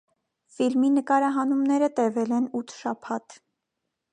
Ֆիլմի նկարահանումները տևել են ութ շաբաթ։